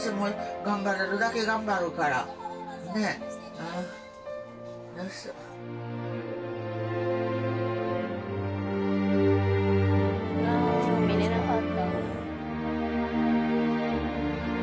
あぁ見れなかった。